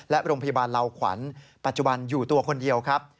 และโรงพยาบาลเหล่าขวัญปัจจุบันอยู่ตัวคนเดียวครับ